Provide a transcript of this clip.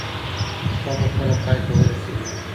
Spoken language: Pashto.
شپه به کله پای ته ورسیږي؟